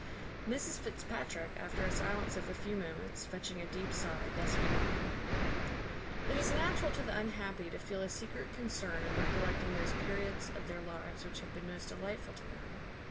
Mrs Fitzpatrick, after a silence of a few moments, fetching a deep sigh, thus began: "It is natural to the unhappy to feel a secret concern in recollecting those periods of their lives which have been most delightful to them.